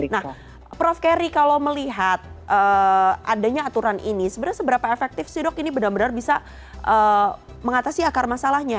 nah prof keri kalau melihat adanya aturan ini sebenarnya seberapa efektif sih dok ini benar benar bisa mengatasi akar masalahnya